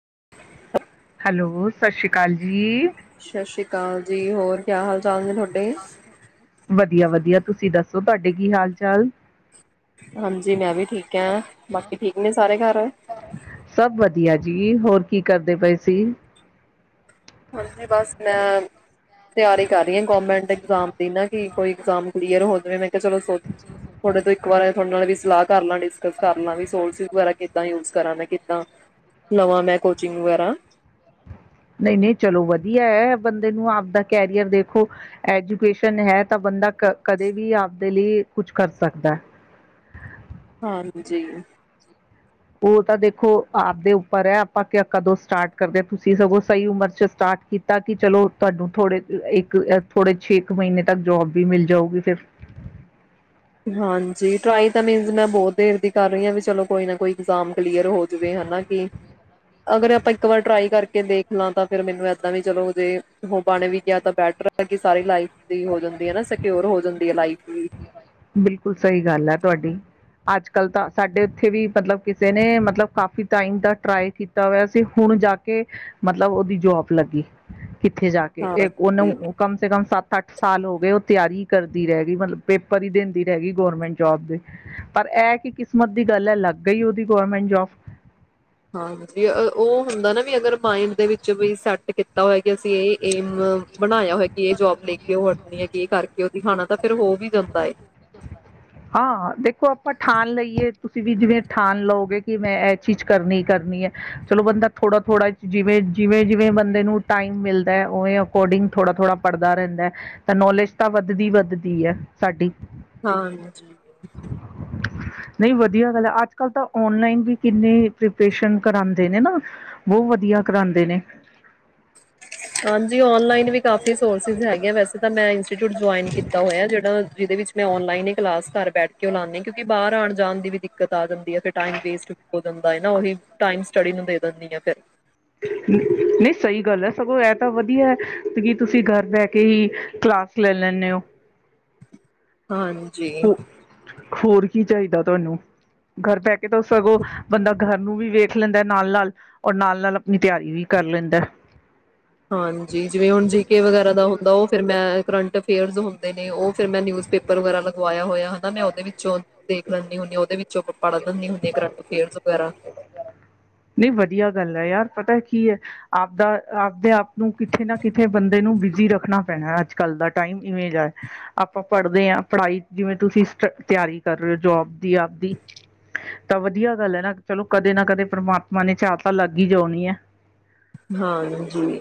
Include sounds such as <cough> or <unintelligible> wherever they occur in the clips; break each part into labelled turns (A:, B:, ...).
A: <inaudible>
B: Hello ਸਤਿ ਸ਼੍ਰੀ ਅਕਾਲ ਜੀ।
A: ਸਤਿ ਸ੍ਰੀ
B: ਸ਼ਸ
A: ਅਕਾਲ ਜੀ ਹੋਰ ਕਿਆ <unintelligible> <unintelligible> ਤੁਹਾਡੇ
B: ਵਧੀਆ ਵਧੀਆ। ਤੁਸੀਂ ਦੱਸੋ ਤੁਹਾਡੇ ਕੀ ਹਾਲ ਚਾਲ?
A: ਹਾਂਜੀ ਮੈਂ ਵੀ ਠੀਕ ਆ। ਬਾਕੀ ਠੀਕ ਨੇ ਸਾਰੇ ਘਰ?
B: ਸਭ ਵਧੀਆ ਜੀ। ਹੋਰ ਕੀ ਕਰਦੇ ਪਏ ਸੀ?
A: ਹਾਂਜੀ ਬਸ ਮੈਂ ਤਿਆਰੀ ਕਰ ਰਹੀ ਹਾਂ ਗੌਰਮੈਂਟ ਐਕਸਾਮ ਦੀ। ਨਾ ਕਿ ਕੋਈ ਇਗਜ਼ਾਮ ਕਲੀਅਰ ਹੋ ਜਾਵੇ ਮੈਂ, ਚਲੋ ਸੋਚ। ਤੁਹਾਡੇ ਤੋਂ ਇੱਕ ਵਾਰ। ਤੁਹਾਡੇ ਨਾਲ ਵੀ ਸਲਾਹ ਕਰ ਲਾਂ, ਡਿਸਕਸ ਕਰ ਲਾਂ, ਵੀ ਸੋਰਸਿਸ ਵਗੈਰਾ ਕਿੱਦਾਂ ਯੂਜ ਕਰਾਂ ਮੈਂ ਕਿੱਦਾਂ ਲਵਾਂ ਮੈਂ ਕੋਚਿੰਗ ਵਗੈਰਾ।
B: ਨਹੀਂ ਚਲੋ ਵਧੀਆ ਹੈ ਬੰਦੇ ਨੂੰ ਆਪਦਾ ਕੈਰੀਅਰ ਦੇਖੋ ਐਜੂਕੇਸ਼ਨ ਹੈ ਤਾਂ ਬੰਦਾ, ਕਦੇ ਵੀ ਆਪ, ਦੇ ਲਈ ਕੁਛ ਕਰ ਸਕਦਾ ਹੈ।
A: ਹਾਂਜੀ।
B: ਉਹ ਤਾਂ ਦੇਖੋ ਆਪਦੇ ਉੱਪਰ ਹੈ ਆਪਾਂ ਕਦੋਂ ਸਟਾਰਟ ਕਰਦੇ, ਤੁਸੀਂ ਸਗੋਂ ਸਹੀ ਉਮਰ ਚ ਸਟਾਰਟ ਕੀਤਾ। ਕਿ ਚਲੋ ਤੁਹਾਨੂੰ ਥੋੜੇ ਇੱਕ ਥੋੜੇ ਛੇ ਇੱਕ ਮਹੀਨੇ ਤੱਕ ਜੋਬ ਵੀ ਮਿਲ ਜਾਊਗੀ ਫਿਰ।
A: ਹਾਂਜੀ! ਟਰਾਈ ਤਾਂ ਮੀਨ ਮੈਂ ਬਹੁਤ ਦੇਰ ਦੀ ਕਰ ਰਹੀ ਹਾਂ ਵੀ ਚਲੋ ਕੋਈ ਨਾ ਕੋਈ ਇਗਜ਼ਾਮ, ਕਲੀਅਰ ਹੋ ਜਾਵੇ ਹਨਾ ਕਿ, ਅਗਰ ਆਪਾਂ ਇੱਕ ਵਾਰ ਟਰਾਈ ਕਰਕੇ ਦੇਖ ਲਾਂ ਤਾਂ ਫਿਰ ਮੈਨੂੰ ਏਦਾਂ ਵੀ ਚਲੋ ਜੇ ਹੋ ਬਣੇ ਵੀ ਗਿਆ ਤਾਂ ਬੈਟਰ ਹੈਗੀ ਸਾਰੀ ਲਾਈਫ, ਦੀ ਹੋ ਜਾਂਦੀ ਹੈ ਨਾ ਸਕਿਓਰ ਹੋ ਜਾਂਦੀ ਹੈ ਲਾਈਫ। ਹਮ <inaudible>
B: ਬਿਲਕੁਲ ਸਹੀ ਗੱਲ ਹੈ ਤੁਹਾਡੀ। ਅੱਜ ਕੱਲ ਤਾਂ ਸਾਡੇ ਉੱਥੇ ਵੀ ਮਤਲਬ ਕਿਸੇ ਨੇ ਮਤਲਬ ਕਾਫ਼ੀ ਟਾਈਮ ਦਾ ਟਰਾਈ ਕੀਤਾ ਹੋਇਆ ਸੀ, ਹੁਣ ਜਾ ਕੇ ਮਤਲਬ ਉਹਦੀ ਜੋਬ ਲੱਗੀ। ਕਿੱਥੇ ਜਾ ਕੇ
A: ਹਾਂ ਜੀ,
B: ਉਹਨੇ ਕਮ ਸੇ ਕਮ ਸੱਤ ਅੱਠ, ਸਾਲ ਹੋ ਗਏ ਉਹ ਤਿਆਰੀ ਕਰਦੀ ਰਹਿ ਗਈ। ਮਤਲਬ ਪੇਪ, ਪਰੀ ਦਿੰਦੀ ਰਹਿ ਗਈ ਗੌਰਮੈਂਟ ਜੋਬ ਦੇ। ਪਰ ਇਹ ਕੀ ਕਿਸਮਤ ਦੀ ਗੱਲ ਹੈ ਲੱਗ ਗਈ ਉਹਦੀ ਗੌਰਮੈਂਟ ਜੋਬ।
A: ਹਾਂ ਜ ਉਹ ਹੁੰਦਾ ਨਾ ਵੀ ਅਗਰ ਮਾਇੰਡ ਦੇ ਵਿੱਚ ਵੀ ਸੈਟ ਕੀਤਾ ਹੋਇ ਕਿ ਅਸੀਂ ਇਹ, ਏਮ ਬਣਾਇਆ ਹੋਆ ਕਿ ਇਹ ਜੋਬ ਲੈ ਕੇ ਉਹ ਹਟਣੀ ਹੈ ਕਿ ਇਹ ਕਰਕੇ। ਖਾਣਾ ਤਾਂ ਫੇਿਰ ਹੋ ਵੀ ਜਾਂਦਾ ਏ।
B: ਹਾਂ ਦੇਖੋ ਆਪਾਂ ਠਾਣ ਲਈਏ, ਤੁਸੀਂ ਵੀ ਜਿਵੇਂ ਠਾਣ ਲਓਗੇ ਕਿ ਮੈਂ ਇਹ ਚੀਜ਼ ਕਰਨੀ ਕਰਨੀ ਹੈ। ਚਲੋ ਬੰਦਾ ਥੋੜਾ ਥੋੜ੍ਹਾ ਜਿਵੇਂ ਜਿਵੇਂ ਜਿਵੇਂ ਬੰਦੇ ਨੂੰ ਟਾਈਮ ਮਿਲਦਾ ਉਵੇਂ ਅਕੋਰਡਿੰਗ ਥੋੜ੍ਹਾ ਥੋੜ੍ਹਾ ਪੜ੍ਹਦਾ ਰਹਿੰਦਾ ਹੈ। ਤਾਂ ਨੌਲੇਜ ਤਾਂ ਵੱਧਦੀ ਵੱਧਦੀ ਹੈ ਸਾਡੀ।
A: ਹਾਂ।
B: ਨਹੀਂ ਵਧੀਆ ਗੱਲ ਹੈ ਅੱਜ ਕੱਲ ਤਾਂ ਓਨਲਾਈਨ ਵੀ ਕਿੰਨੇ ਪ੍ਰੀਪਰੇਸ਼ਨ ਕਰਾਉਂਦੇ ਨੇ ਨਾ। ਬਹੁਤ ਵਧੀਆ ਕਰਾਉਦੇ ਨੇ।
A: ਹਾਂਜੀ ਆਨਲਾਈਨ ਵੀ ਕਾਫੀ ਸੋਰਸ ਹੈ, ਵੈਸੇ ਤਾਂ ਮੈਂ ਇੰਸਟੀਚਿਊਟ ਜਇਨ ਕੀਤਾ ਹੋ। ਜਿਹਦੇ ਵਿੱਚ ਮੈਂ ਔਨਲਾਈਨ ਹੀ ਕਲਾਸ ਕਰ ਬੈਠ ਕੇ ਲਾਉਂਦੇ ਕਿਉਂਕ ਬਹਰ ਆਣ ਜਾਣ ਦੀ ਵੀ ਦਿੱਕਤ ਆ ਜਾਂਦੀ ਆ ਫਿਰ ਟਮ ਵੇਸਟ ਹੋ ਜਾਂਦਾ ਨਾ ਉਹੀ ਟਮ ਸਟੱਡੀ ਨੂੰ ਦੇ ਦਿੰਦੀ ਆ ਫਿਰ।
B: ਨਹੀਂ ਸਹੀ ਗੱਲ ਹੈ ਸਗੋਂ ਇਹ ਤਾਂ ਵਧੀਆ ਹੈ। ਕੀ ਤੁਸੀਂ ਘਰ ਬਹਿ ਕੇ ਹੀ ਕਲਾਸ ਲੈ ਲੈਂਨੇ ਓ
A: ਹਾਂਜੀ।
B: ਹੋਰ ਕੀ ਚਾਹੀਦਾ ਤੁਹਾਨੂੰ। ਘਰ ਬਹਿ ਕੇ ਤਾਂ ਸਗੋਂ ਬੰਦਾ ਘਰ ਨੂੰ ਵੀ ਵੇਖ ਲੈਂਦਾ। ਨਾਲ-ਨਾਲ ਔਰ ਨਾਲ- ਨਾਲ ਆਪਣੀ ਤਿਆਰੀ ਵੀ ਕਰ ਲੈਂਦਾ।
A: ਹਾਂਜੀ ਜਿਵੇਂ ਹੁਣ ਜੀ ਕੇ ਵਗੈਰਾ ਦਾ ਹੁੰਦਾ ਉਹ ਫਿਰ ਮੈਂ ਕਰੰਟ ਅਫੇਅਰਸ ਹੁੰਦੇ ਨੇ ਉਹ, ਫਿਰ ਮੈਂ ਨਿਊਜ਼ਪੇਪਰ ਵਗੈਰਾ ਲਗਵਾਇਆ ਹੋਇਆ ਹੈ ਨਾ ਮੈਂ ਉਹਦੇ ਵਿੱਚੋਂ ਦੇਖ ਲੈਂਦੀ ਹੁੰਦੀ ਹਾਂ ਉਹਦੇ ਵਿੱਚੋਂ ਪੜ੍ਹ ਲੈਂਦੀ ਹੁੰਦੀ ਹਾਂ ਕਰੰਟ ਅਫੇਅਰਸ ਵਗੈਰਾ।
B: ਨਹੀਂ ਵਧਆ ਗੱਲ ਹੈ ਯਾਰ ਪਤਾ ਕੀ ਹੈ ਆਪਦਾ ਆਪਦੇ ਆਪ ਨੂੰ ਕਿਥੇ ਨਾ ਕਿਥੇ ਬੰਦੇ ਨੂੰ ਬਿਜੀ ਰੱਖਣਾ ਪੈਣਾ ਅੱਜ ਕੱਲ ਦਾ ਟਾਈਮ ਇਵੇਂ ਜਾ ਆਪਾਂ ਪੜ੍ਹਦੇ ਹਾਂ ਪੜ੍ਹਾਈ ਜਿਵੇਂ ਤੁਸੀਂ ਸ ਤਿਆਰੀ ਕਰ ਰਹੇ ਹੋ ਜੋਬ ਦੀ ਆਪਦੀ ਤਾਂ ਵਧੀਆ ਗੱਲ ਹੈ ਨਾ ਚਲੋ ਕਦੇ ਨਾ ਕਦੇ ਪ੍ਰਮਾਤਮਾ ਮਨ ਚਾ ਤਾਂ ਲੱਗ ਹੀਈ ਜਾਉਣੀ ਆ <unintelligible>
A: ਹਾਂਜੀ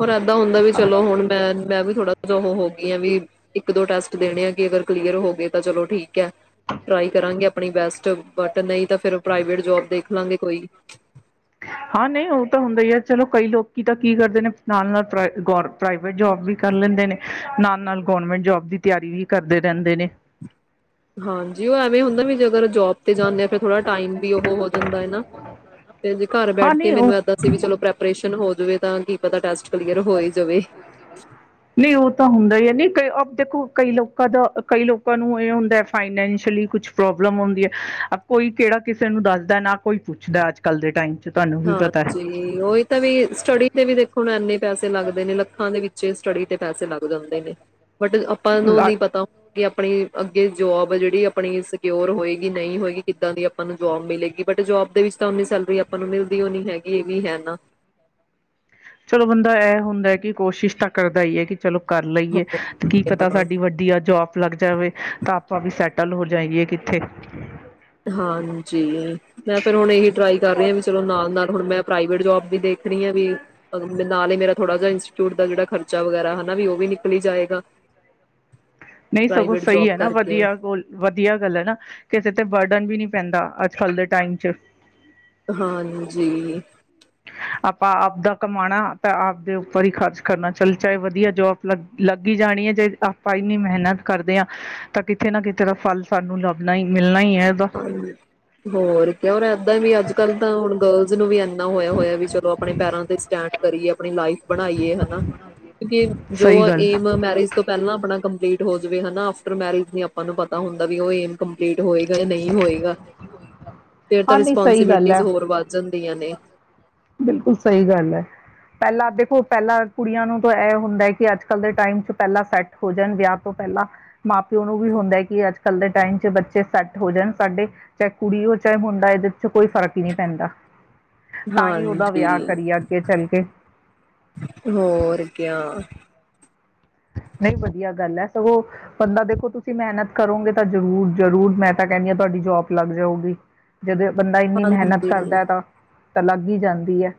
A: ਹੋਰ ਹੁੰਦਾ ਵੀ ਚਲੋ ਹੁਣ ਮੈਂ ਮੈਂ ਵੀ ਥੋੜਾ ਜੋ ਉਹ ਹੋ ਇਹ ਆ ਵੀ ਇੱਕ ਦੋ ਟੈਸਟ ਦੇਣੇ ਆ ਅਗਰ ਕਲੀਅਰ ਹੋ ਗਏ ਤਾਂ ਚਲੋ ਠੀਕ ਹੈ ਟ੍ਰਾਈ ਕਰਾਂਗੇ ਆਪਣੀ ਬੈਸਟ ਬਟ ਨਹੀਂ ਤਾਂ ਫਿਰ ਪ੍ਰਾਈਵੇਟ ਜੋਬ ਦੇਖ ਲਾਂਗੇ ਕੋਈ।
B: ਹਾਂ ਨਹੀਂ ਉਹ ਤਾਂ ਹੁੰਦਾ ਹੀ ਹੈ ਚਲੋ ਕਈ ਲੋਕੀ ਤਾਂ ਕੀ ਕਰਦੇ ਨੇ ਨਾਲ ਨਾਲ ਗੋ ਪ੍ਰਾਈਵੇਟ ਜੋਬ ਵੀ ਕਰ ਲੈਂਦੇ ਨੇ ਨਾਲ ਨਾਲ ਗੋਰਮੈਂਟ ਜੋਬ ਦੀ ਤਿਆਰੀ ਵੀ ਕਰਦੇ ਰਹਿੰਦੇ ਨੇ।
A: ਹਾਂਜੀ ਉਹ ਐਵੇਂ ਹੁੰਦਾ ਵੀ ਜੇ ਅਗਰ ਜੋਬ ਤੇ ਜਾਂਦੇ ਆ ਫਿਰ ਥੋੜਾ ਟਾਈਮ ਵੀ ਉਹ ਹੋ ਜਾਂਦਾ ਏ ਨਾ ਤੇ ਜੇ ਘਰ ਬੈਠ
B: ਹਾਂ
A: ਕੇ
B: ਨਹੀਂ ਉਹ
A: ਮੈਨੂੰ ਇਦਾਂ ਸੀ ਵੀ ਚਲੋ ਪ੍ਰੈਪਰੇਸ਼ਨ ਹੋ ਜਾਵੇ ਤਾਂ ਕੀ ਪਤਾ ਟੈਸਟ ਕਲੀਅਰ ਹੋ ਹੀ ਜਾਵੇ
B: ਨਹੀਂ ਉਹ ਤਾਂ ਹੁੰਦਾ ਹੀ ਹੈ ਨਹੀਂ ਕਈ ਅਬ ਦੇਖੋ ਕਈ ਲੋਕਾਂ ਦਾ ਕਈ ਲੋਕਾਂ ਨੂੰ ਇਹ ਹੁੰਦਾ ਫਾਈਨੈਂਸ਼ੀਅਲੀ ਕੁਛ ਪ੍ਰੋਬਲਮ ਹੁੰਦੀ ਹੈ ਕੋਈ ਕਿਹੜਾ ਕਿਸੇ ਨੂੰ ਦੱਸਦਾ ਨਾ ਕੋਈ ਪੁੱਛਦਾ ਅੱਜ ਕੱਲ੍ਹ ਦੇ ਟਾਈਮ। ਤੁਹਾਨੂੰ ਵੀ ਪਤਾ
A: ਹਾਂਜੀ ਓਹੀ ਤਾਂ ਵੀ ਸਟੱਡੀ ਤੇ ਵੀ ਦੇਖੋ ਇਨੇ ਪੈਸੇ ਲੱਗਦੇ ਨੇ ਲੱਖਾਂ ਦੇ ਵਿੱਚ ਸਟੱਡੀ। ਤੇ ਪੈਸੇ ਲੱਗ ਜਾਂਦੇ ਨੇ। ਬਟ ਆਪਾਂ ਨੂੰ
B: ਹੈ
A: ਨਹੀਂ ਪਤਾ ਕਿ ਆਪਣੀ ਅੱਗੇ ਜੋਬ ਜਿਹੜੀ ਆਪਣੀ ਸਕਿਓਰ ਹੋਏਗੀ ਨਹੀਂ ਹੋਏਗੀ ਕਿੱਦਾਂ ਦੀ ਆਪਾਂ ਨੂੰ ਜੋਬ ਮਿਲੇਗੀ ਬਟ ਜੋਬ ਦੇ ਵਿੱਚ ਤਾਂ ਆਪਨੀ ਸੈਲਰੀ ਆਪਾਂ ਨੂੰ ਮਿਲ <unintelligible>
B: ਚਲੋ ਬੰਦਾ ਐ ਹੁੰਦਾ ਕਿ ਕੋਸ਼ਿਸ਼ ਤਾਂ ਕਰਦਾ ਹੀ ਹੈ ਕਿ ਚਲੋ ਕਰ ਲਈਏ ਤੇ ਕੀ ਪਤਾ
A: ਹਾਂ,
B: ਸਾਡੀ ਵਧੀਆ ਜੋਬ ਲੱਗ ਜਾਵੇ ਤਾਂ ਆਪਾਂ ਵੀ ਸੈਟ ਕੱਲ੍ਹ ਹੋ ਜਾਏਏ ਕਿੱਥੇ।
A: ਹਾਂਜੀ। ਮੈਂ ਫਿਰ ਹੁਣ ਇਹੀ ਟਰਾਈ ਕਰ ਰਹੀ ਹਾਂ ਵੀ ਚਲੋ ਨਾਲ ਨਾਲ ਹੁਣ ਮੈਂ ਪ੍ਰਾਈਵੇਟ ਜੋਬ ਵੀ ਦੇਖ ਰੀ ਹਾਂ ਵੀ ਨਾਲ ਹੀ ਮੇਰਾ ਥੋੜਾ ਜਿਹਾ ਇੰਸਟੀਚਿਊਟ ਦਾ ਜੜਾ ਖਰਚਾ ਵਗੈਰਾ ਨਾ ਉਹ ਵੀ ਨਿਕਲੀ ਜਾਏਗਾ।
B: ਨਹੀਂ ਸਗੋਂ
A: ਪ੍ਰਾਈਵੇਟ
B: ਸਹੀ
A: ਜੋਬ
B: ਹੈ ਨਾ
A: ਕਰਕੇ
B: ਵਧੀਆ ਗੋਲ ਵਧੀਆ ਗੱਲ ਹੈ ਨਾ ਅਤੇ ਬਰਡਨ ਵੀ ਨਹੀਂ ਪੈਂਦਾ ਅੱਜ ਕੱਲ੍ਹ ਦੇ ਟਾਈਮ ਚ
A: ਹਾਂਜੀ।
B: ਆਪਾਂ ਆਪਦਾ ਕਮਾਣਾ ਤਾਂ ਆਪਦੇ ਉੱਪਰ ਹੀ ਖਰਚ ਕਰਨਾ ਚੱਲ ਚਾਹੇ ਵਧੀਆ ਜੋਬ ਲੱਗ ਲੱਗ ਹੀ ਜਾਣੀ ਹੈ ਜੇ ਆਪਾਂ ਇੰਨੀ ਮਿਹਨਤ ਕਰਦੇ ਹਾਂ ਤਾਂ ਕਿਤੇ ਨਾ ਕਿਤੇ ਦਾ ਫਲ ਸਾਨੂੰ ਲੱਭਣਾ ਹੀ ਮਿਲਣਾ ਹੀ ਹੈ। ਇਹਦਾ
A: ਹਾਂਜੀ ਹੋਰ ਕ ਰ ਇਏਦਾਂ ਵੀ ਅੱਜ ਕੱਲ ਤਾਂ ਹੁਣ ਗਰਲਜ਼ ਨੂੰ ਵੀ ਹੋਇਆ ਹੋਇਆ ਵੀ ਚਲੋ ਆਪਣੇ ਪੈਰਾਂ ਤੇ ਸਟੈਂਡ ਕਰੀਏ ਆਪਣੀ। ਬਣਾਈਏ ਹਨਾ ਕਿਉਕਿ ਜੋ
B: ਸਹੀ ਗੱਲ
A: ਏਮ ਮੈਰਿਜ ਤੋਂ ਪਹਿਲਾਂ ਆਪਣਾ ਕੰ ਹੋ ਜਾਵੇ ਹਨਾ ਆਫਟਰ ਮੈਰਿਜ ਨ ਆਪਾਂ ਨੂੰ ਪਤਾ ਹੁੰਦਾ ਵੀ ਉਹ ਏਮ ਕੰਪਲੀਟ। ਨਹੀਂ ਹੋਏਗਾ ਫਿਰ ਤਾਂ
B: ਹਾਂ ਨਹੀਂ ਸਹੀ ਗੱਲ
A: ਰਿਸਪੋਂਸੀਬਿਲਟੀ
B: ਹੈ
A: ਹੋਰ ਵੱਧ ਜਾਣ। ਦੀਆਂ ਨੇ।
B: ਬਿਲਕੁਲ ਸਹੀ ਗੱਲ ਹੈ ਪਹਿਲਾਂ ਦੇਖੋ ਪਹਿਲਾਂ ਕੁੜੀਆਂ ਨੂੰ ਤਾਂ ਇਹ ਹੁੰਦਾ ਕਿ ਅੱਜ ਕੱਲ ਦੇ ਟਾਈਮ ਪਹਿਲਾਂ ਸੈੱਟ ਹੋ ਜਾਣ ਵਿਆਹ ਤੋਂ ਪਹਿਲਾਂ ਮਾਂ ਪਿਓ ਨੂੰ ਵੀ ਹੁੰਦਾ ਕਿ ਅੱਜ ਕੱਲ ਦੇ ਟਾਈਮ ਚ ਬੱਚੇ ਸੈੱਟ ਹੋ ਜਾਣ ਸਾਡੇ ਚਾਹੇ ਕੁੜੀ ਹੋ ਚਾਹੇ ਮੁੰਡ ਇਹਦੇ ਚ ਕੋਈ ਫ਼ਰਕ ਹੀ ਨਹੀਂ ਪੈਂਦਾ। ਤਾਂ ਹੀ ਉਹਦਾ
A: ਹਾਂਜੀ
B: ਵਿਆਹ ਕਰੀਏ ਅੱਗੇ ਚੱਲ ਕੇ
A: ਹੋਰ ਕਿਆ।
B: ਨਹੀਂ ਵਧੀਆ ਗੱਲ ਹੈ ਸਗੋਂ ਬੰਦਾ ਦੇਖੋ ਤੁਸੀਂ ਮਿਹਨਤ ਕਰੋਗੇ ਤਾਂ ਜ਼ਰੂਰ ਜ਼ਰੂਰ ਮੈਂ ਤਾਂ ਕਹਿੰਦੀ ਹਾਂ ਤੁਹਾਡੀ ਜੋਬ ਲੱਗ ਜਾਊਗੀ। ਜਦੋਂ ਬੰਦਾ ਇੰਨੀ ਮਿਹਨਤ
A: ਹਾਂਜੀ।
B: ਕਰਦਾ ਤਾਂ ਤਾਂ ਲੱਗ ਹੀ ਜਾਂਦੀ ਹੈ।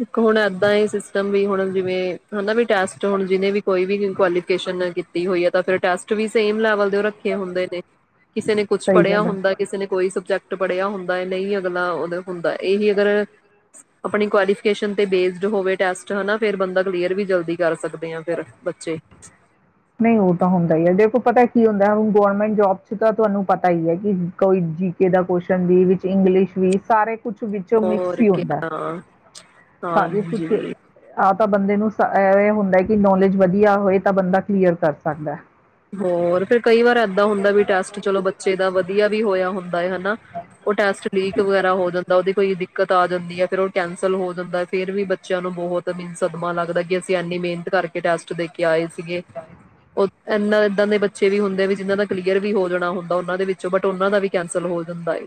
A: ਇੱਕ ਹੁਣ ਏਦਾਂ ਹੀ ਸਿਸਟਮ ਵੀ ਹੁਣ ਜਿਵੇਂ ਹੁੰਦਾ ਮ ਟੈਸਟ ਹੁਣ ਜਿਹਨੇ ਵੀ ਕੋਈ ਵੀ ਕੁਆਲੀਫਿਕੇਸ਼ਨ ਕੀਤੀ ਹੋਈ ਹੈ। ਤਾਂ ਫਿਰ ਟੈਸਟ ਵੀ ਸੇਮ ਲੈਵਲ ਦੇ ਉਹ ਰੱਖੇ ਹੁੰਦੇ ਨੇ। ਕਿਸੇ ਨੇ ਕੁਛ
B: ਸਹੀ
A: ਪੜ੍ਹਿਆ
B: ਗੱਲ ਹੈ
A: ਹੁੰਦਾ। ਕਿਸੇ ਨੇ ਕੋਈ ਸਬਜੈਕਟ ਪੜਿਆ ਹੁੰਦਾ ਨਹੀਂ ਅਗਲਾ ਉਹ ਹੁੰਦਾ ਇਹੀ ਅਗਰ ਆਪਣੀ ਕੁਆਲੀਫ ਤੇ ਬੇਸਡ ਹੋਵੇ ਟੈਸਟ ਹਨਾ ਫੇਿਰ ਬੰਦਾ ਕਲੀਅਰ ਵੀ ਜਲਦੀ ਕਰ ਸਕਦੇ ਹਾਂ ਫਿਰ ਬੱਚੇ
B: ਨਹੀਂ ਉਹ ਤਾਂ ਹੁੰਦਾ ਹ ਹੈ। ਦੇਖੋ ਪਤਾ ਕੀ ਹੁੰਦਾ ਹੁਣ ਗੌਰਮੈਂਟ ਜੋਬ ਚ ਤਾਂ ਤੁਹਾਨੂੰ ਪਤਾ ਹੀ ਹੈ। ਕਿ ਕੋਈ ਜੀ ਕੇ ਦਾ ਕੁਸ਼ਚਨ ਵੀ ਵਿੱਚ ਇੰਗਲਿਸ਼ ਵੀ ਸਾਰੇ ਕੁਛ ਵਿੱਚੋਂ ਮਿਕਸ
A: ਹੋਰ
B: ਹੀ ਹੁੰਦਾ
A: ਕਿਆ
B: ਸਾਰੇ ਕੁਛ
A: ਹਾਂਜੀ।
B: ਆਪ ਤਾਂ ਬੰਦੇ ਨੂੰ ਇਹ ਹੁੰਦਾ ਕਿ ਨੌਲੇਜ ਵਧੀਆ ਹੋਏ ਤਾਂ ਬੰਦਾ ਕਲੀਅਰ ਕਰ ਸਕਦਾ
A: ਹੋਰ ਫਿਰ ਕਈ ਵਾਰ ਏਦਾਂ ਹੁੰਦਾ ਵੀ ਟੈਸਟ ਚਲੋ ਬੱਚੇ ਦਾ ਵਧੀਆ ਵੀ ਹੋਇਆ ਹੁੰਦਾ ਹੈ। ਹਨਾ ਉਹ ਟੈਸਟ ਲੀਕ ਵਗੈਰਾ ਹੋ ਜਾਂਦਾ ਉਹਦੇ ਕੋਈ ਦਿੱਕਤ ਆ ਜਾਂਦੀ ਹੈ। ਫਿਰ ਉਹ ਕੈਂਸਲ ਹੋ ਜਾਂਦਾ। ਫੇਿਰ ਵੀ ਬੱਚਿਆਂ ਨੂੰ ਬਹੁਤ ਮ ਸਦਮਾ ਲੱਗਦਾ ਕਿ। ਅਸੀਂ ਇੰਨੀ ਮਿਹਨਤ ਕਰਕੇ ਟੈਸਟ ਦੇਖ ਕੇ ਆਏ ਸੀਗੇ ਇਨਾ ਏਦਾਂ ਦੇ ਬੱਚੇ ਵੀ ਹੁੰਦੇ ਵੀ। ਜਿ ਦਾ ਕਲੀਅਰ ਵੀ ਹੋ ਜਾਣਾ। ਹੁੰਦਾ ਉਹਨਾਂ ਦੇ ਵਿੱਚੋਂ ਬਟ ਉਹਨਾਂ ਦਾ ਵੀ ਕੈਂਸਲ ਹੋ ਜਾਂਦਾ ਹੈ।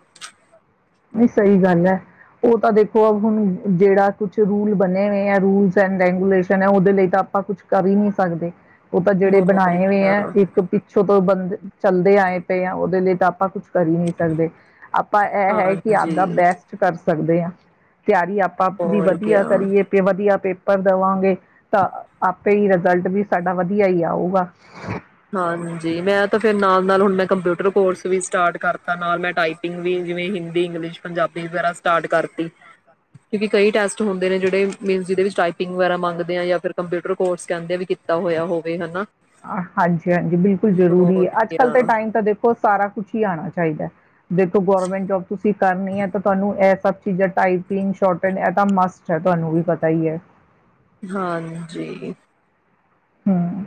B: ਨਹੀਂ ਸਹੀ ਗੱਲ ਹੈ। ਉਹ ਤਾਂ ਦੇਖੋ ਹੁਣ ਜਿਹੜਾ ਕੁਛ ਰੂਲ ਬਣੇ ਹੋਏ ਆ। ਰੂਲਸ ਐਂਡ ਰੈਗੂਲੇਸ਼ਨ ਹੈ। ਉਹਦੇ ਲਈ ਤਾਂ ਆਪਾਂ ਕੁਛ ਕਰ ਹੀ ਨਹੀਂੀ ਸਕਦੇ। ਉਹ ਤਾਂ ਜਿਹੜੇ
A: ਹੋਰ
B: ਬਣਾਏ ਹੋਏ
A: ਕਿਆ
B: ਹੈ। ਇੱਕ ਪਿੱਛੋਂ ਤੋਂ ਬੰ ਚਲਦੇ ਆਏ ਪਏ ਆ ਉਹਦੇ ਲਈ ਆਪਾਂ ਕੁਛ ਕਰੀ ਨਹੀਂ ਸਕਦੇ ਆਪਾਂ ਇਹ ਹੈ। ਆਪਦਾ
A: ਹਾਂਜੀ
B: ਬੈਸਟ ਕਰ ਸਕਦੇ ਹਾਂ ਤਿਆਰੀ ਆਪਾਂ ਦੀ
A: ਹੋਰ
B: ਵਧੀਆ
A: ਕਿਆ।
B: ਕਰੀਏ ਵਧੀਆ ਪੇ ਦੇਵਾਂਗੇ ਤਾਂ ਆਪੇ ਹੀ ਰਿਜ਼ਲਟ ਵੀ ਸਾਡਾ ਵਧੀਆ ਹੀ ਆਊਗਾ।
A: ਹਾਂਜੀ। ਮੈਂ ਤਾਂ ਫੇਿਰ ਨਾਲ ਨਾਲ ਹੁਣ ਮੈਂ ਕੰਪਿਊਟਰ ਕੋਰਸ ਵੀ ਸਟਾਰਟ ਕਰਤਾ ਨਾਲ ਮੈਂ ਟਾਈਪਿੰਗ ਵੀ। ਜਿਵੇਂ ਹਿੰਦੀ, ਇੰਗਲਿਸ਼, ਪੰਜਾਬੀ ਵਗਰਾ ਸਟਾਰਟ ਕਰਤੀ। ਕਿਉਂਕਿ ਕਈ ਟੈਸਟ ਹੁੰਦੇ ਨੇ ਜਿਹੜੇ ਮੀਨ ਜਿਹਦੇ ਗੈਰਾ ਮੰਗਦੇ ਆਾਂ ਜਾਂ ਫਿਰ ਕੰਪਿਊਟਰ ਕੋਰਸ ਕਹਿੰਦੇ ਵੀ ਕੀਤਾ ਹੋਇਆ ਹੋਵੇ ਹਨਾ।
B: ਹਾਂਜੀ, ਹਾਂਜੀ। ਬਿਲਕੁਲ ਜਰੂਰੀ ਹੈ। ਅੱਜ ਕੱਲ ਦੇ ਟਾਈਮ ਤਾਂ ਦੇਖੋ ਸਾਰਾ ਕੁਛ ਹੀ ਆਉਣਾ ਚਾਹੀਦਾ। ਦੇਖੋ ਗਵਰਮੈਂਟ ਜੋਬ ਤੁਸੀਂ ਕਰਨੀ ਹੈ। ਤਾਂ ਤੁਹਾਨੂੰ ਇਹ ਸਭ ਚੀਜ਼ਾਂ ਟਾਈਪਿੰਗੋਰਟਟ ਇਹ ਤਾਂ ਮਸਟ ਹੈ। ਤੁਹਾਨੂੰ ਵੀ ਪਤਾ ਹੀ ਹੈ।
A: ਹਾਂਜੀ।
B: ਹਮ,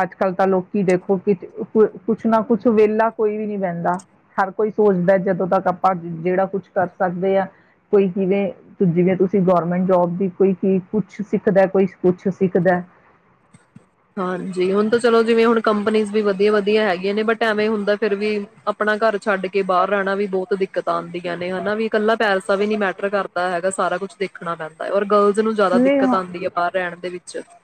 B: ਅੱਜ ਕੱਲ ਤਾਂ ਲੋਕੀ ਦੇਖੋ ਕਿ, ਕੁ ਕੁਛ ਨਾ ਕੁਛ। ਵਿਹਲਾ ਕੋਈ ਵੀ ਨੀ ਬਹਿੰਦਾ। ਹਰ ਕੋਈ ਸੋਚਦਾ, ਜਦੋਂ ਤੱਕ ਆਪਾਂ ਜਿਹੜਾ ਕੁਛ ਕਰ ਸਕਦੇ ਹਾਂ। ਕੋਈ ਕਿਵੇਂ, ਜਿਵੇਂ ਤੁਸੀਂ ਗੌਰਮੈਂਟ ਜੋਬ ਦੀ। ਕੋਈ ਕੀ, ਕੁਛ ਸਿੱਖਦਾ। ਕੋਈ ਕੁਛ ਸਿੱਖਦਾ
A: ਹਾਂਜੀ, ਹੁਣ ਤਾਂ ਚਲੋ, ਜਿਵੇਂ ਹੁਣ ਕੰਪਨੀ ਵੀ ਵਧੀਆ-ਵਧੀਆ ਹੈਗੀਆਂ ਨੇ, ਬਟ ਐਵੇਂ ਹੁੰਦਾ, ਫਿਰ ਵੀ, ਆਪਣਾ ਘਰ ਛੱਡ ਕੇ ਬਾਹਰ ਰਹਿਣਾ, ਵੀ ਬਹੁਤ ਦਿੱਕਤਾਂ ਆਉਂਦੀਆਂ ਨੇ। ਹਨਾ, ਵੀ ਇਕੱਲਾ ਪੈਸ ਦਾ ਵੀ ਨੀ ਮੈਟਰ ਕਰਦਾ, ਹੈਗਾ ਸਾਰਾ ਕੁੱਛ ਦੇਖਣਾ ਪੈਂਦਾ ਹੈ, ਔਰ ਬ ਨੂੰ ਜ਼ਿਆਦਾ
B: ਨਹੀਂ
A: ਦਿੱਕਤ
B: ਹਾਂ
A: ਆਂਦੀ ਹੈ, ਬਾਹਰ ਰਹਿਣ ਦੇ ਵਿੱਚ ਅੱਛਾ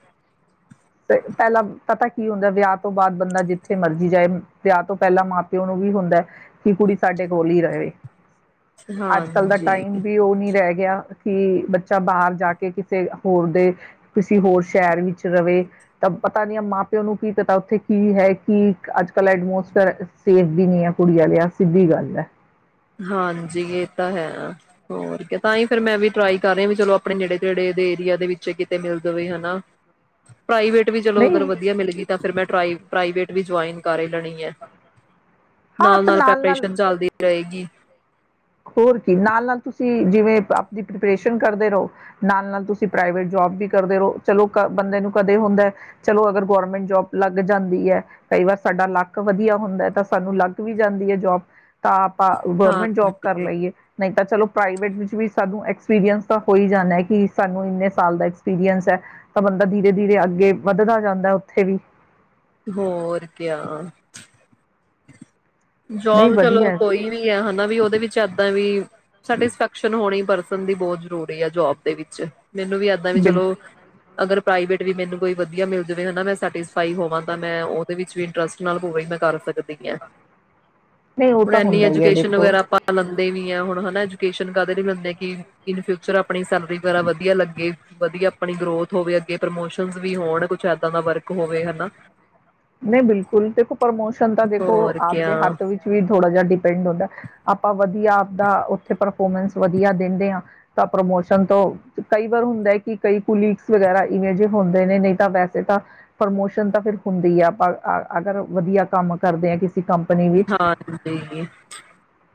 B: ਪਹਿਲਾਂ ਪਤਾ ਕੀ ਹੁੰਦਾ, ਵਿਆਹ ਤੋਂ ਬਾਅਦ ਬੰਦਾ ਜਿੱਥੇ ਮਰਜ਼ੀ ਜਾਏ। ਵਿਆਹ ਤੋਂ ਪਹਿਲਾਂ ਮਾਂ ਪਿਓ ਨੂੰ ਵੀ ਹੁੰਦਾ ਕਿ ਕੁੜੀ ਸਾਡੇ ਕੋਲ ਹੀ ਰਹੇ। ਅੱਜ-ਕੱਲ ਦਾ
A: ਹਾਂਜੀ,
B: ਟਾਈਮ ਵੀ ਉਹ ਨੀ ਰਹਿ ਗਿਆ, ਕਿ ਬੱਚਾ ਬਾਹਰ ਜਾ ਕੇ ਕਿਸੇ ਹੋਰ ਦੇ ਕਿਸੇ ਹੋਰ ਸ਼ਹਿਰ ਵਿੱਚ ਰਹੇ। ਤਾਂ ਪਤਾ ਨੀ ਆ, ਮਾਂ-ਪਿਓ ਨੂੰ ਕੀ ਪਤਾ ਉੱਥੇ ਕੀ ਹੈ। ਕੀ ਅੱਜ- ਕੱਲ ਐਟਮੋਸਫੇਅਰ ਸੇਫ ਵੀ ਨਹੀਂ ਹੈ, ਕੁੜੀ ਵਾਲਿਆਂ ਸਿੱਧੀ ਗੱਲ ਹੈ।
A: ਹਾਂਜੀ, ਇਹ ਤਾਂ ਹੈ। ਹੋਰ ਤਾਂ ਹੀ, ਫਿਰ ਮੈਂ ਵੀ ਟਰਾਈ ਕਰ ਰਿਹਾ ਵੀ ਚਲੋ, ਆਪਣੇ ਨੇੜੇ ਤੇੜੇ ਦੇ ਏਰੀਆ ਦੇ ਵਿੱਚ ਕਿਤੇ ਮਿਲ ਜਾਵੇ, ਹਨਾ। ਪ੍ਰਾਈਵੇਟ ਵੀ ਚਲੋ, ਅਗਰ
B: ਨਹੀਂ
A: ਵਧੀਆ ਮਿਲ ਗ ਤਾਂ ਫਿਰ ਮ ਪਰਾਈ ਪ੍ਰਾਈਵੇਟ ਵੀ ਜੁਆਇਨ ਕਰ ਲੈਣੀ ਹੈ।
B: ਹਾਂ ਤਾਂ
A: ਨਾਲ-ਨਾਲ
B: ਨਾਲ ਨਾਲ
A: ਪ੍ਰੈਪਰੇਸ਼ਨ ਚੱਲਦੀ ਰਹੇਗੀ।
B: ਹੋਰ ਕੀ, ਨਾਲ-ਨਾਲ ਤੁਸੀਂ ਜਿਵੇਂ ਆਪਦੀ ਪ੍ਰਪਰੇਸ਼ਨ ਕਰਦੇ ਰਹੋ, ਨਾਲ-ਨਾਲ ਤੁਸੀਂ ਪ੍ਰਾਈਵੇਟ ਜੋਬ ਵੀ ਕਰਦੇ ਰਹੋ। ਚਲੋ, ਬੰਦੇ ਨੂੰ ਕਦੇ ਹੁੰਦਾ। ਚਲੋ, ਅਗਰ ਗੌਰਮੈਂਟ ਜੋਬ ਲੱਗ ਜਾਂਦੀ ਹੈ। ਕਈ ਵਾਰ ਸਾਡਾ ਲੱਕ ਵਧੀਆ ਹੁੰਦਾ ਤਾਂ ਸਾਨੂੰ ਲੱਗ ਵੀ ਜਾਂਦੀ ਹੈ। ਜੋਬ ਤਾਂ ਆਪਾਂ
A: ਹਾਂ
B: ਗੌਰਮੈਂਟ ਜੋਬ ਕਰ ਲਈਏ ਨਹੀਂ ਤਾਂ ਚਲੋ, ਪ੍ਰਾਈਵੇਟ ਵਿੱਚ ਵੀ ਸਾਨ ਐਕਸਪੀਰੀੰਸ ਤਾਂ ਹੋ ਹੀ ਜਾਂਦਾ, ਕਿ ਸਾਨ ਇੰਨੇ ਸਾਲ ਦਾ ਐਕਸਪੀਰੀੰਸ ਹੈ, ਤਾਂ ਬੰਦਾ ਧੀਰੇ-ਧੀਰੇ ਅੱਗੇ ਵੱਧਦਾ ਜਾਂਦਾ। ਉੱਥੇ ਵੀਇ
A: ਹੋਰ ਕਿਆ
B: ਨਹੀਂ
A: ਜੋਬ ਚਲੋ,
B: ਵਧੀਆ
A: ਕੋਈ ਵੀ ਹੈ, ਹਨਾ, ਵੀ ਉਹਦੇ ਵਿੱਚ ਏਦਾਂ ਵੀ ਸੈਟਿਸਫੈਕਸ਼ਨ ਹੋਣੀ ਪਰਸਨ ਦੀ ਬਹੁਤ ਜ਼ਰੂਰੀ ਹੈ, ਜੋਬ ਦੇ ਵਿੱਚ ਮੈਨੂੰ ਵੀ, ਇਏਦਾਂ ਵੀ,
B: ਬਿਲ
A: ਚਲੋ, ਅਗਰ ਪ੍ਰਾਈਵੇਟ ਵੀ ਮੈਨੂੰ ਕੋਈ ਵਧੀਆ ਮਿਲ ਜਾਵੇ, ਹਨਾ, ਮੈ ਮੈਟਿਸਫਾਈ ਹੋਵਾਂ। ਮੈਂ ਉਹਦੇ ਵਿੱਚ ਵੀ ਇੰਟਰਸਟ ਨਾਲ ਹੋਵੇ, ਮੈਂ ਕਰ ਸਕਦੀ ਹਾਂ।
B: ਨਹੀਂ ਉਹ
A: ਹੁਣ,
B: ਤਾਂ
A: ਇਨੀ
B: ਹੁੰਦਾ ਹੀ ਹੈ
A: ਐਜੂਕੇਸ਼ਨ
B: ਦੇਖੋ।
A: ਵਗੈਰਾ ਆਪਾ
B: ਸਟੇਸ਼ਨ
A: ਲੈਂਦੇ ਵੀ ਆ, ਹੁਣ ਹਣਾ, ਐਜੂਕੇਸ਼ਨ ਕਾਦੇ ਲੀ ਲੈਂਦੇ, ਕਿ ਇਨ ਫਿਊਚਰ ਆਪਣੀ ਸੈਲਰੀ ਵਗੈਰਾ ਵਧੀਆ
B: ਫੋਲੋ ਦੇਖਦੇ ਹਾਂ ਆਪਣਾ ਸਟੇਸ਼ਨ ਵਾਲੇ
A: ਲੱਗੇ,
B: ਵੀ
A: ਵਧੀਆ ਆਪਣੀ ਗਰੋਥ ਹੋਵੇ, ਅਗੇ ਪ੍ਰਮੋਸ਼ਨ ਵੀ ਹੋਣ, ਕੁਛ ਦਾ ਵਰਕ
B: ਹੁੰਦੇ
A: ਹੋਵੇ,
B: ਨੇ ਬਿਲਕੁਲ ਆਪਣੇ
A: ਹਨਾ।
B: ਨਹੀਂ, ਬਿਲਕੁਲ, ਦੇਖੋ, ਪ੍ਰਮੋਸ਼ਨ ਤਾਂ ਦੇਖੋ
A: ਹੋਰ ਕਿਆ
B: ਆਪਦੇ ਹੱਥ ਵਿੱਚ ਵੀ ਥੋੜਾ ਜਿਹਾ ਡਿਪੈਂਡ ਹੁੰਦਾ, ਆਪਾਂ ਵਧੀਆ, ਆਪਦਾ ਉੱਥੇ ਪਰਫੋਰਮੈਂਸ ਵਧੀਆ ਦਿੰਦੇ ਆ, ਤਾਂ ਪ੍ਰਮੋਸ਼ਨ ਤੋਂ ਕਈ ਵਾਰ ਹੁੰਦਾ ਹੈ, ਕਿ ਕਈ ਕੁਲੀਗਸ ਵਗੈਰਾ ਇਵੇਂ ਜਿਹੇ ਹੁੰਦੇ ਨੇ, ਨਹੀਂ ਤਾਂ ਵੈਸੇ ਤਾਂ ਪ੍ਰਮੋਸ਼ਨ ਤਾਂ ਫਿਰ ਹੁੰਦੀ ਆ, ਆਪਾਂ ਆ, ਅਗਰ ਵਧੀਆ ਕੰਮ ਕਰਦੇ ਕੰਪਨੀ ਵਿੱਚ,
A: ਹਾਂਜੀ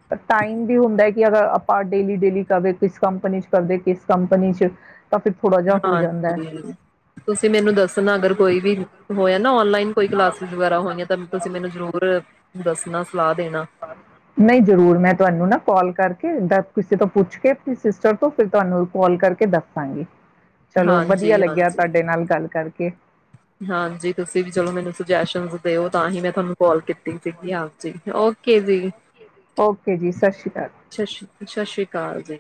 B: ਪਰ ਟਾਈਮ ਵੀ ਹੁੰਦਾ ਕਿ ਅਗਰ ਆਪਾਂ ਡੇਲੀ ਡੇਲੀ ਕਰਦੇ, ਕਿਸ ਕੰਪਨੀ ਚ ਕਰਦੇ, ਕਿਸ ਕੰਪਨੀ ਚ ਤਾਂ ਫਿਰ ਥੋੜਾ ਜਿਹਾ ਹੋ ਜਾਂਦਾ ਹੈ
A: ਹਾਂਜੀ, ਤੁਸੀਂ ਮੈਨੂੰ ਦੱਸਣਾ, ਅਗਰ ਕੋਈ ਵੀ ਹੋਇਆ ਨਾ, ਓਣਲਾਈਨ ਕੋਈ ਕਲਾਸਿਸ ਵਗੈਰਾ ਹੋਈਆਂ, ਤਾਂ ਤੁਸੀਂ ਮੈਨੂੰ ਜ਼ਰੂਰ ਦੱਸਣਾ ਸਲਾਹ ਦੇਣਾ
B: ਨਹੀਂ ਜਰੂਰ ਮੈਂ ਤੁਹਾਨੂੰ ਨਾ ਕੋਲ ਕਰਕੇ ਦੱਸ ਕਿਸੇ ਤੋਂ ਪੁੱਛ ਕੇ ਸਿਸਟਰ ਤੋਂ ਫਿਰ ਤੁਹਾਨੂੰ ਕਾਲ ਕਰਕੇ ਦੱਸਾਂਗੀ। ਚਲੋ
A: ਹਾਂਜੀ
B: ਵਧੀਆ ਲੱਗਿਆ
A: ਹਾਂਜੀ
B: ਤੁਹਾਡੇ ਨਾਲ ਗੱਲ ਕਰਕੇ
A: ਹਾਂਜੀ ਤੁਸੀਂ ਵੀ ਚਲੋ ਮੈਨੂੰ ਸੁਜੈਸ਼ਨ ਦਿਓ ਤਾਂ ਹੀ ਮੈਂ ਤੁਹਾਨੂੰ ਕਾਲ ਕੀਤੀ ਸੀਗੀ ਹਾਂ। ਓਕੇ ਜੀ,
B: ਓਕੇ ਜੀ ਸਤਿ ਸ਼੍ਰੀ ਅਕਾਲ,
A: ਸਤਿ ਸ਼੍ਰੀ ਸਤਿ ਸ੍ਰੀ ਅਕਾਲ ਜੀ,